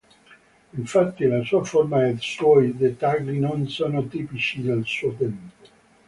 Infatti la sua forma ed i suoi dettagli non sono tipici del suo tempo.